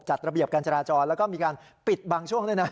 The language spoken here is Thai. จัดระเบียบการจราจรแล้วก็มีการปิดบางช่วงด้วยนะ